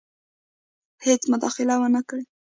هیڅ مداخله ونه کړي.